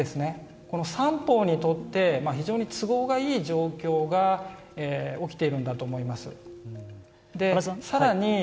この３方にとって非常に都合がいい状況が起きているんだと思います。